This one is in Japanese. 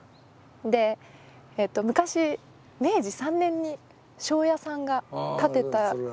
で昔明治３年に庄屋さんが建てたちゃんとした。